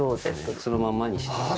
そのまんまにしてある。